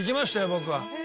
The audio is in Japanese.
僕は。